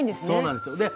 そうなんですよ。